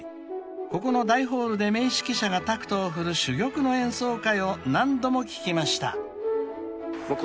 ［ここの大ホールで名指揮者がタクトを振る珠玉の演奏会を何度も聴きました］